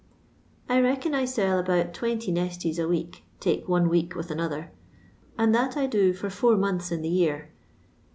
I reckon I sell about 20 nestles a week take one week with another, and that I do for four months in the year.